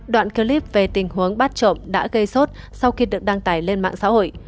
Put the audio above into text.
đoạn clip về tình huống bắt trộm đã gây sốt sau khi được đăng tải lên mạng xã hội